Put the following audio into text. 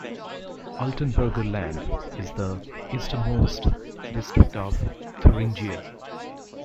Altenburger Land is the easternmost district of Thuringia.